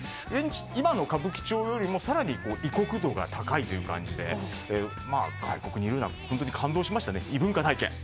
今の歌舞伎町よりも異国度が高いという感じで外国にいるような異文化体験。